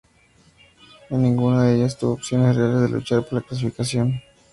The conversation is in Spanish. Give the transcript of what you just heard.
En ninguna de ellas tuvo opciones reales de luchar por la clasificación.